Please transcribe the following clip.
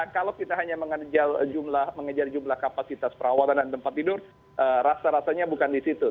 kalau kita hanya mengejar jumlah kapasitas perawatan dan tempat tidur rasa rasanya bukan di situ